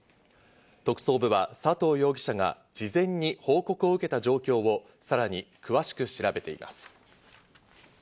特捜部は佐藤容疑者が事前に報告を受けた状況をさらに詳しく調べています。